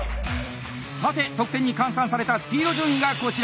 さて得点に換算されたスピード順位がこちら！